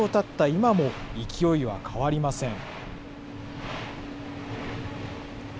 今も、勢いは変わりません。